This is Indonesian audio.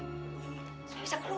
supaya bisa keluar